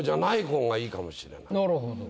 なるほど。